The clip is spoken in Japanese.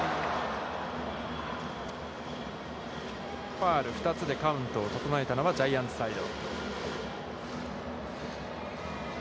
ファウル２つでカウントを整えたのはジャイアンツサイド。